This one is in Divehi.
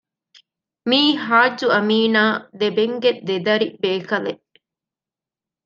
މީ ޙާއްޖު އަމީނާ ދެބެންގެ ދެދަރި ބޭކަލެއް